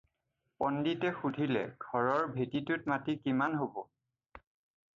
"পণ্ডিতে সুধিলে- "ঘৰৰ ভেটিটোত মাটি কিমান হ'ব?"